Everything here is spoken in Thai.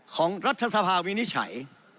ของรัฐสภาพมีนิจฉัย